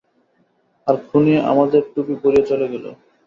আর খুনি আমাদের টুপি পরিয়ে চলে গেলো।